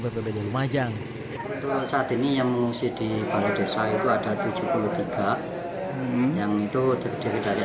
bpbd lumajang saat ini yang mengungsi di balai desa itu ada tujuh puluh tiga yang itu terdiri dari